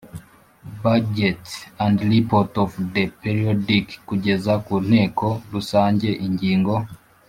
budgets and reports of the periodic Kugeza ku Nteko Rusange ingingo